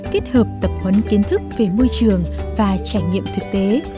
kết hợp tập huấn kiến thức về môi trường và trải nghiệm thực tế